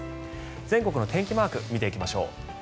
全国の天気マーク見ていきましょう。